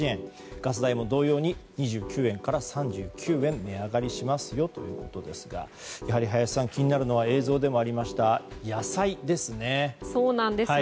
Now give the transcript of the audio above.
ガス代も同様に２９円から３９円値上がりしますがやはり林さん、気になるのは映像にもありました野菜ですね。